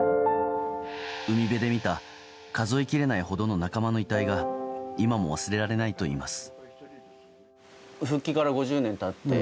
海辺で見た数えきれないほどの仲間の遺体が今も忘れられないといいます。